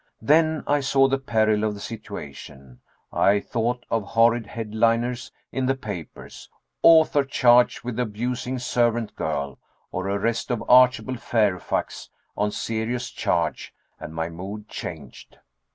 Then I saw the peril of the situation. I thought of horrid headliners in the papers: "Author charged with abusing servant girl," or, "Arrest of Archibald Fairfax on serious charge," and my mood changed.